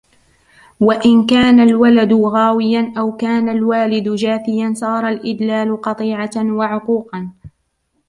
وَإِنْ كَانَ الْوَلَدُ غَاوِيًا أَوْ كَانَ الْوَالِدُ جَافِيًا صَارَ الْإِدْلَالُ قَطِيعَةً وَعُقُوقًا